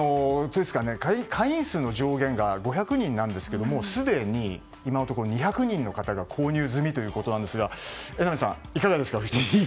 会員数の上限が５００人なんですがすでに今のところ２００人の方が購入済みということですが榎並さん、いかがですか？